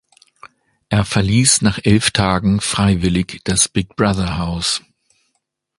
Er verließ nach elf Tagen freiwillig das "Big-Brother"-Haus.